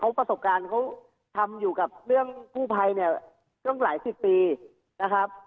ประสบการณ์เขาทำอยู่กับเรื่องกู้ภัยเนี่ยช่วงหลายสิบปีนะครับ